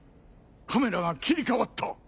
カメラが切り替わった。